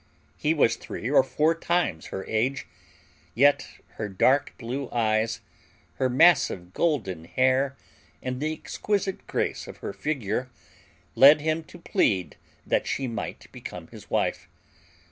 He was three or four times her age, yet her dark blue eyes, her massive golden hair, and the exquisite grace of her figure led him to plead that she might become his wife.